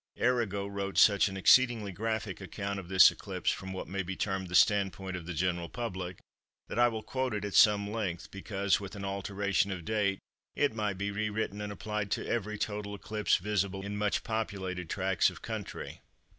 Arago wrote such an exceedingly graphic account of this eclipse from what may be termed the standpoint of the general public, that I will quote it at some length, because, with an alteration of date, it might be re written and applied to every total eclipse visible in much populated tracts of country.